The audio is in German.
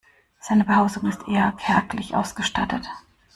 Seine Behausung ist eher kärglich ausgestattet.